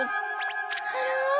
あら？